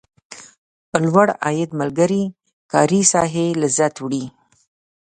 لوړ عاید ملګري کاري ساحې لذت وړي.